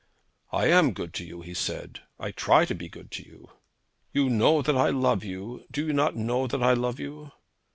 'I am good to you,' he said. 'I try to be good to you.' 'You know that I love you. Do you not know that I love you?'